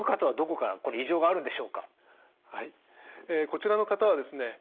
こちらの方はですね